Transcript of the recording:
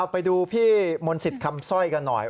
ไปดูพี่มนต์สิทธิ์คำสร้อยกันหน่อย